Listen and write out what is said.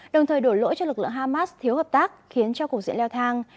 đồng thời đổi lỗi cho lực lượng hamas thiếu hợp tác khiến cho cuộc diễn leo thang